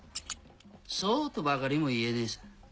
そうとばかりも言えねえさ。